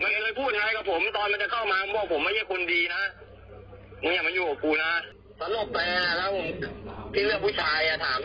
มันก็เลยพูดง่ายกับผมตอนมันจะเข้ามาผมบอกผมไม่ใช่คนดีนะ